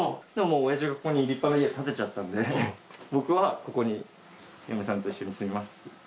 おやじがここに立派な家建てちゃったんで僕はここに嫁さんと一緒に住みますって言って。